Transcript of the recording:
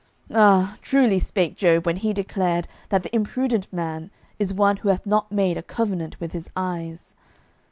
Ah, truly spake Job when he declared that the imprudent man is one who hath not made a covenant with his eyes!